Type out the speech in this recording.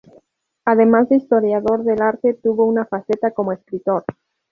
Además de historiador del arte, tuvo una faceta como escritor.